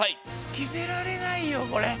きめられないよこれ。